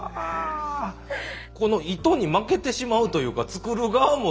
この糸に負けてしまうというか作る側も。